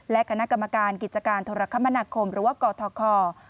และคณะกรรมการกิจกรรมธรรมนาคมหรือกศ